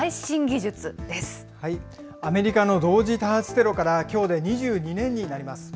アメリカの同時多発テロからきょうで２２年になります。